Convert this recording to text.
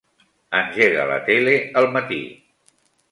Engega la tele al matí.